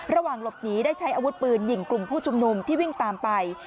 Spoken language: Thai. ระหว่างหลบหนีได้ใช้อาวุธปืนยิงกลุ่มผู้ชุมนุมที่วิ่งตามไป